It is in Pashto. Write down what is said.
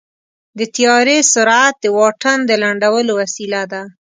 د طیارې سرعت د واټن د لنډولو وسیله ده.